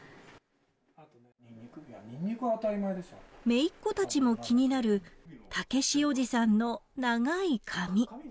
めいっ子たちも気になる雄おじさんの長い髪。